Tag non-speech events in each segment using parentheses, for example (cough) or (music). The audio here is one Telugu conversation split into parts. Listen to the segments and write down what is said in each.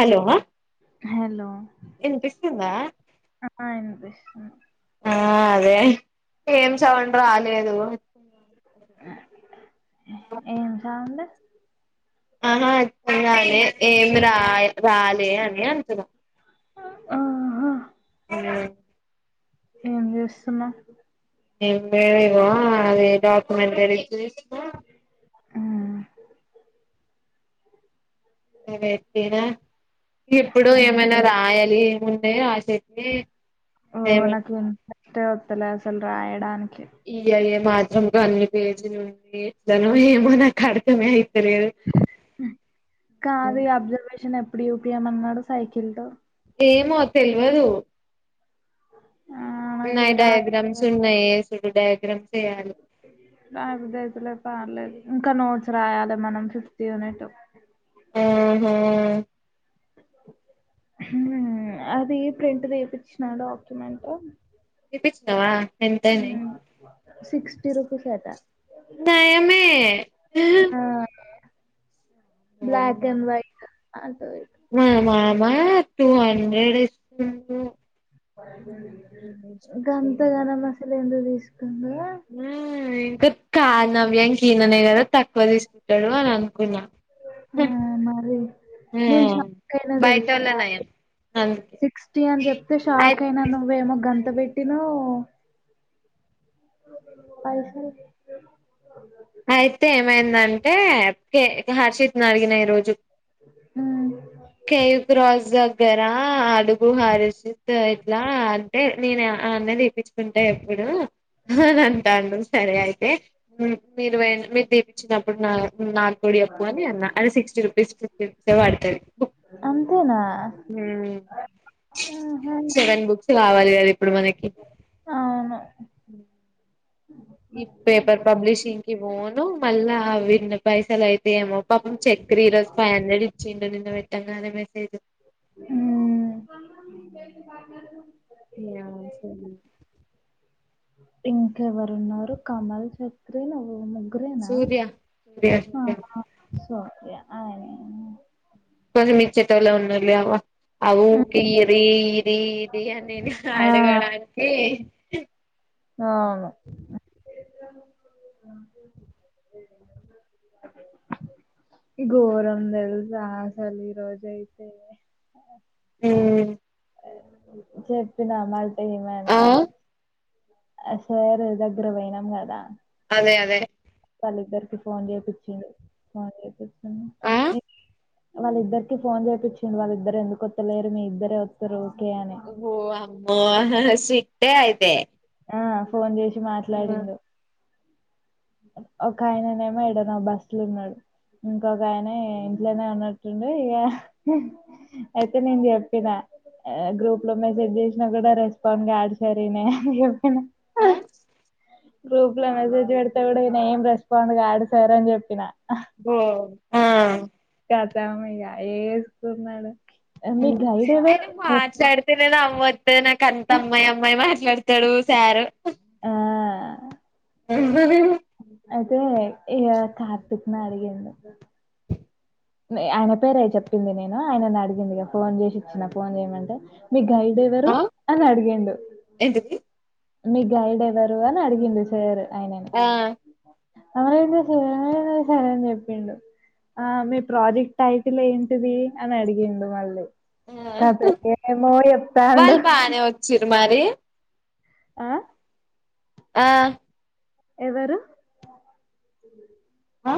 హలో హలో వినిపిస్తుందా ఆ వినిపిస్తుంది ఆ అదే ఏం సౌండ్ రాలేదు ఏం సౌండ్డు ఆహా అర్థం కాలే ఏమి రా రాలే అని అంటున్నాం ఆహా ఉ ఏం చేస్తున్నా ఏం లేదు ఏమో అది డాక్యుమెంట్ వెరిఫికేషను కరెక్టేనా ఎప్పుడు ఏమైనా రాయాలి ముందే రాసేకి ఓ నాకు ఇంట్రెస్ట్ వతలే అసలు రాయడానికి ఇగ ఏ ఏమాత్రం గన్ని పేజీ ఉంటే ఎట్నో ఏమో నాకు అర్థమే అయి కాదు ఈగా అబ్జర్వేషన్ ఎప్పుడు చూపియ్యమన్నాడు సైకిల్ తో ఏమో తెలవదు ఆ నాకు నాయి ఇది డడాయాగ్రామ్స్ ఉన్నాయి యేసుడు డయాగ్రామ్ నాది దే పారలే ఇంకా నోట్స్ రాయాలి మనం ఫిఫ్త్ యూనిట్ ఆహా ఉ అది ప్రింట్ తీపించిన డాక్యుమెంట్ తీపించినావా ఎంతైనాయి సిక్స్టీ రూపీస్ అట నయమే ఆ బ్లాక్ అవునా అండ్ వైట్ అటు ఇటు మా మామా టూ హండ్రెడ్ ఇచ్చిండు గంతగనం అసలు ఎందుకు తీసుకుందో ఇంకా కానవ్యాంక ఈననే కదా తక్కువ తీసుకుంటాడు అని అనుకున్నా ఆ, మరి ఉ నేను షాక్ అయినా బయటవల్లే తెలుసా నయం అందుకే సిక్స్టీ అని చెప్తే అయి షాక్ అయినా నువ్వేమో గంత పెట్టినావు పైసల్ అయితే ఏమైందంటే కె గా హర్షిత్ అడిగినా ఈ రోజు ఉమ్, కేయూ క్రాస్ దగ్గరా అడుగు హారస్ జిత్ ఇట్లా అంటే నేను ఆ అన్న తీప్పించుకుంటే ఎప్పుడు అని అంటాండు సరే అయితే మీరు పో మీరు దీపించినప్పుడు నా గూడ అప్పు అని అన్న అని సిక్స్టీ రూపీస్ ఇస్తే వాడుతయి ఉ అంతేనా ఆహా, సెవెన్ బుక్స్ కావాలి ఇప్పుడు మనకి అవును ఈ పేపర్ పబ్లిషింగ్కిి పోఓను మళ్ళా అవిన్న పైసల అయి తే మో పాపం చెెక్ రీ ఈరోజ ఫైవ్ హండ్రెడ్ ఇచ్చిండు నిన్న పెట్టంగానే పెట్టు ఉ ఆ సర్లే ఇంకెవరు ఉన్నారు కమల్ చక్రి నువ్వు ముగు సూర్య సూర్య సూర్య సోకే అ వు కొ మచ్చటల ఉన్నాాలి అవ ఉమ్, అఊకి ఇరి ఇరి ఇరి అన్ నేను ఆ, అడగడానికి అవును ఇ గోరం తెలుసా అసలు రోజ అయితే ఉ చెప్పినా మళ్ట ఏమైనా ఆ అయన ఆ సేరు దగ్గర పోయినాం కదా అదే అదే వాళ్ళిద్దరికి ఫోన్ చేపిచ్చిండు ఫోన్ చేపిచ్చిండు ఆ ఏ వాళ్ళిద్దరికి ఫోన్ చేపిచ్చిండు వాళ్ళ ఇద్దరు ఎందుకు అత్తలేరు మీ ఇద్దరే వత్తరు ఊకే అని ఓ అమ్మో హహ్ స్ట్రిక్టే అయితే ఆ ఫోన్ చేసి మాట్లాడిండు ఒక ఆయననేమో ఎడనో బస్సుల ఉన్నాడు ఇంకొక ఆయన ఇంట్లోనే ఉన్నట్టుండె ఇగా అయితే నేను చెప్పినా అ గ్రూప్ లో మెసేజ్ చేసినా కూడా రెస్పాండ్ గాడు సార్ ఈనే చెప్ ఆ గ్రూప్ లో మెసేజ్ పెడితే గూడా ఈనే ఏం రెస్పాండ్ కాడు సార్ అని చెప్పిన ఓ ఆ తమ్ ఇగా ఏసుకున్నాడు ఉ అయన మాట్లాడుతే నవ్వు అత్తది నాక అంత అమ్మాయి అమ్మాయి మాట్లాడతాడు సారు ఆ అయితే ఇగా కార్తిక్ ను అడిగిండు ఆయన పేరే చెప్పింది నేను ఆయన అడిగిండు ఇగా ఫోన్ చేసి ఇచ్చిన ఫోన్ చేయమంటే మీ గైడ్ ఎవరు ఆ అని అడిగిండు ఏంటిది మీ గైడ్ ఎవరు అని అడిగిండు సార్ ఆయనని ఆ (unintelligible) సార్ అని చెప్పిండు ఆ మీ ప్రాజెక్ట్ టైటీల్ ఏంటిది అని అడిగగిండు మళ్ళీ ఆ ఖతం ఏమో చెప్తాండు వాళ్ళు బానే వచ్చిర్రు మరి ఆ ఆ ఎవరు ఆ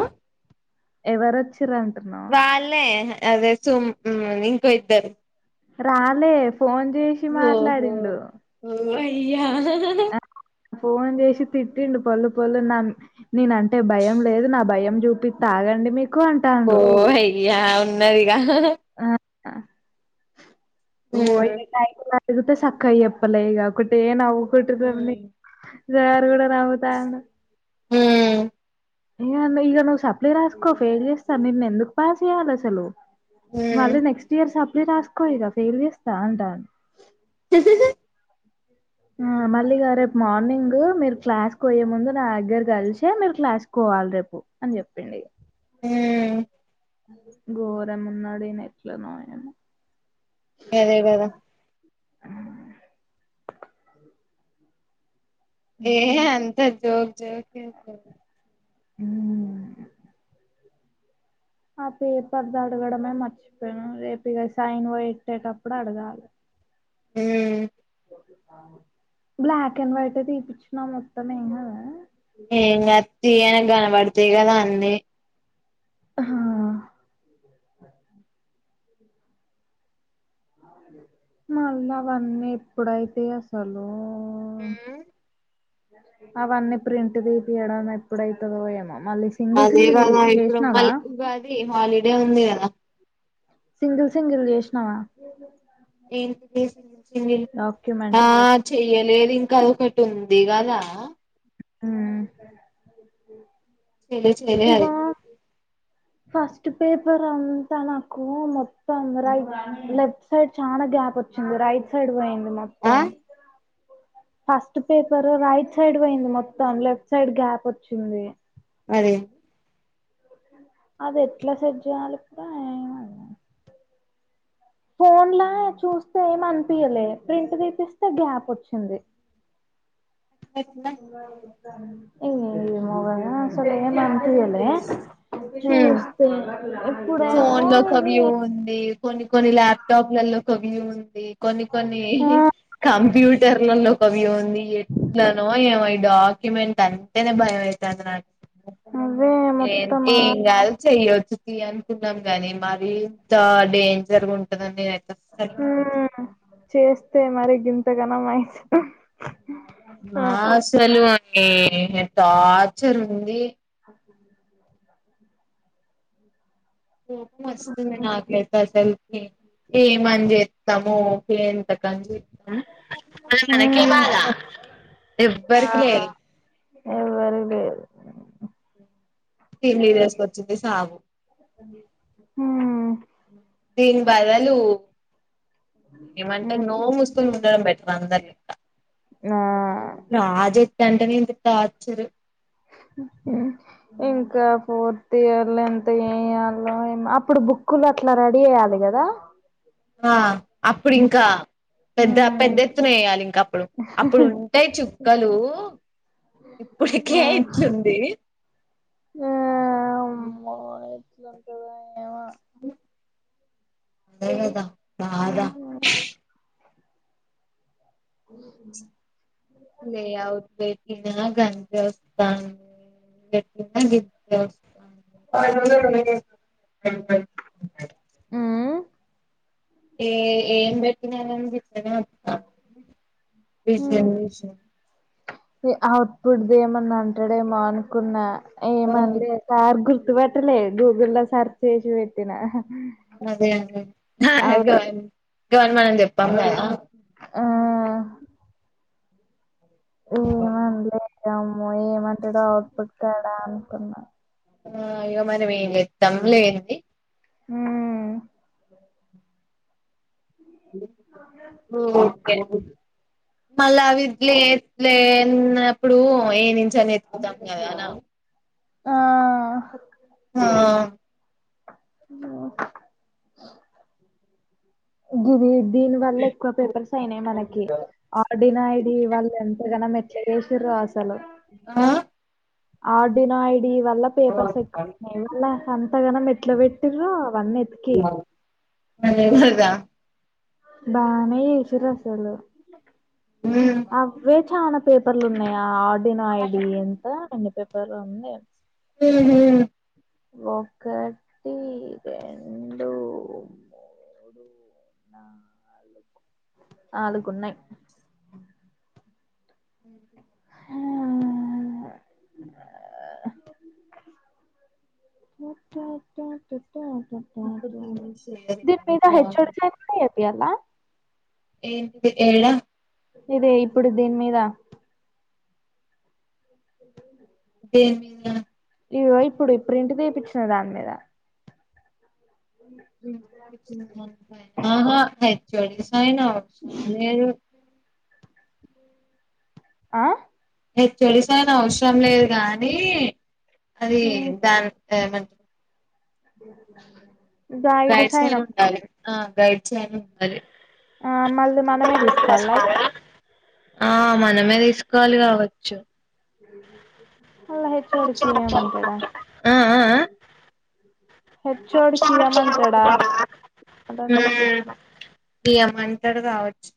ఎవరచ్చిర్ర్ అంటున్నావు వాళ్ళే అదే సుమ్ మ్ ఇంకో ఇద్దరు రాలే ఫోన్ చేశి మాట్లాడిండు య్యా ఆ ఫోన్ చేసి తిట్టిండు పోళ్ళు పోళ్ళు నా నేనంటే భయం లేదు నా భయం చూపిత్తా ఆగండి మీకు ఓ అంటాండు అయ్యా ఉన్నదిగా (unintelligible) ఉమ్ అడిగితే సక్కగా చెప్పాలే ఇగా ఒకటే నవ్వుకుంటా ఉమ్ (unintelligible) సారు గూడా నవ్వుతాండు (unintelligible) ఇగా నువ్వు సప్లి రాసుకో ఫెయిల్ చేస్తా నిన్ను ఎందుకు పాస్ చేయాలి అసలు ఉమ్ మళ్ళీ నెక్స్ట్ ఇయర్ సప్లీ రాసుకో ఇగా ఫెయిల్ చేస్తా అంటాండు హిహిహి ఆ మళ్ళీ ఇగా రేపు మార్నింగ్ మీరు క్లాస్ పోయే ముందు నా దగ్గర కలిసే మీరు క్లాస్ కి పో వాలి రేపు అని చెప్పిండు ఇగా ఊ ఘోరం ఉన్నడు ఈనే ఎట్లనో ఏమో అదే కదా ఆ ఏ ఉమ్. అంత జోక్ జోక్ చెత్తడు ఊ ఆ పేపర్ది అడగడమే మర్చిపోయాను రేపు ఇగా సైన్ పోట్టేటప్పుడు అడగాలి మ్ బ్లాక్ అండ్ వైట్ తీపిచ్చినా మొత్తం ఏం గాదా ఏంగా తీ యన కనపడతాయి కదా అన్నీ హా మళ్ళీ అవన్నీ ఎప్పుడైతే అసలు ఉమ్ అవన్నీ ప్రింట్ తీపియడం ఎప్పుడైతుందో ఏమో మళ్ళీ సింగిల్ అదే సింగిల్ గద ఇప్పుడు చేసినావా మళ్ళీ ఉగాది హాలిడే ఉంది కదా సింగిల్ సింగిల్ చేసినవా ఏంటి సింగల్ సింగిల్ ఆ డాక్యుమెంట్ చే యలేదు ఇంకా ఒకటి ఉంది కదా ఉమ్ లేదు చేయాలి ఫస్ట్ పేపర్ అంతా నాకు మొత్తం రైట్ లెఫ్ట్ సైడ్ చానా గ్యాప్ వచ్చి రైట్ సైడ్ పోయింది ఆ మొత్తం ఫస్ట్ పేపరు రైట్ సైడ్ పోయింది మొత్తం లెఫ్ట్ సైడ్ గ్యాప్ వచ్చింది అదే అది ఎట్లా సెట్ చేయాలి ఇప్పుడు ఏం అర్థంకాలే ఫోన్లా చూస్తే ఏమి అనిపియలే ప్రింట్ తీపిస్తే గ్యాప్ వచ్చింది ఎట్ల ఏమో గద అసలు ఏం అనిపియాలే హ్మ్ చూస్తే ఫోన్ ఇప్పుడేమో లో ఒక ఇది వ్యూ ఉంది కొన్ని కొన్ని ల్యాప్టాప్లలో ఒక వ్యూ ఉంది కొన్ని కొన్ని ఆ కంప్యూటర్లలో వి ఉంది ఎట్లనో ఏమో ఈ డాక్యుమెంట్ అంటేనే భయం అవుతుంది నాకి అవే ఏ మొత్తం ఏం గాదు చేయొచ్చు అనుకున్నాం గాని మరి ఇంత డేంజర్గా ఉంటుందని నే ఉమ్ చేస్తే మరి గింత గణం అయి ఆ అసలు అది టార్చర్ ఉంది కోపం వస్తుంది నాక్ అయితే అసల్కి ఏమని చేస్తాము ఓకే ఎంతకని ఉమ్ ఎవ్వరికి లేరు ఎవరికి లేదు (inaudible) సావు ఉమ్ దీని బదులు ఏమంటే ఉమ్ నో మూసుకొని ఉండడం బట్ వందరికి ఆ గంట నుంచి టార్చర్ ఉమ్ ఇంకా పోర్ త్ ఇయర్ లో ఎంత ఏయాలో అప్పుడు బుక్కులు అట్లా రెడీ అయ్యాలి కదా ఆ బుక్ అప్పుడింకా పెద్ద పెద్ద ఉమ్ ఎత్తున వేయాలి ఇంక అప్పుడు అప్పుడు ఉంటాయి చుక్కలు ఇప్పుడికే ఆ ఇట్లుంది ఆ (inaudible) అదేగద బాగా లే అవుద్ లే గిన గంతే వస్తాంది గట్టిన (inaudible) వస్తాను అ (inaudible) ఏ ఏం పెటినా విత్తన బిజీ మిస్ అవుట్ పట్ది ఏమన్నా అంటాడేమో అనుకున్నా ఆ ఏమనిలే సర్ గు గుర్తు పట్టలే గూగుళ లో సెర్చచ్ చేసి పెట్టినా అదే అదే ఆ గవ గవర్నమెంట్ అని చెప్పాందా ఆ ఏమన్లే ఇంకా అమ్మో ఏమంటాడు అవుట్ పట్ కాడ అనుకున్నా ఆ ఇగ మనం ఏం చేతమ్ లేండి ఉ ఓకే మళ విజలీ లేన్నప్పుడు ఏ నించని ఎత్కుతాం కదానా ఆ ఆ ఓ గుది ఏ దీని వల్ల ఎక్కువ పేపర్స్ అయినాయి మనకి ఆడిన్ ఐడి వాల్ళ ఎంతగానం ఎట్లా చేసిర్రో అసలు ఆ ఆడినయి డి వల్ల పేపర్స్ ఎక్కున్నాయి మల్ల అంతగానం మెట్లు పెట్టి్రో అవన్నీ ఎతికి ఆదే దా బానే చేసిర్రు అసలు ఉమ్ అవే చానాా పేపర్లు ఉన్నాయి ఆడిన్ో ఐడి ఎంత అన్ని పేపర్ ఉంది ఉహు ఒకక్కటి రెండ మూడు నాలుగు నాలుగున్నాయి్ ఉహు ట ట ట ట ట దీన్ కైతే హెచ్వోడీసీ అని ఉంది పియప్పయాలా నా ఏంటి ఏడా ఇదే ఇప్పుడు దీని మీద దేని మీద ఇగో ఇప్పుడు ఇప్పుడు ప్రింట్ తీయిచ్చిన దాని మీద ప్రింట్ తీపిచ్చిన దానిపైన ఆహా హెచ్వోడి సైనా లేదు ఉ ఆ హెచ్వోడి సైన్ అవసరం లేదు గానీ అది దాన్ ఏమని అ గైడ్స్ైన్ ఉండాలి ఆ గైడ్స్ైన్ ఉండాలి ఆ మళ్ మనమే తీసుకోవాల ఇప్పుడు ఆ మనమే తీసుకోవాలి కావచ్చు మల్ల హెచ్చ కి ఇయ్యమంటాడా ఆ ఆ హెచ్వోడికి ఇయ్యమంటాడా అడున్నాయి తీసుకో ఇయ్యమంటారు కావచ్చు